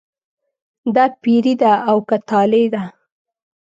دا پیري ده او که طالع ده.